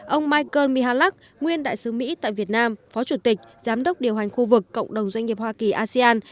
ông michael mihak nguyên đại sứ mỹ tại việt nam phó chủ tịch giám đốc điều hành khu vực cộng đồng doanh nghiệp hoa kỳ asean